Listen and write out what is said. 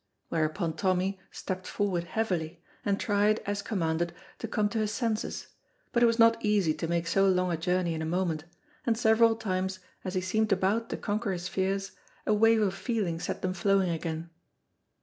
whereupon Tommy stepped forward heavily, and tried, as commanded, to come to his senses, but it was not easy to make so long a journey in a moment, and several times, as he seemed about to conquer his fears, a wave of feeling set them flowing again.